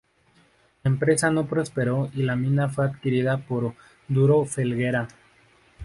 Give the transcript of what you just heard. La empresa no prosperó y la mina fue adquirida por Duro Felguera.